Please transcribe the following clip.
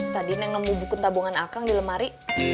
tadi neng nombor bukun tabungan akang di lemari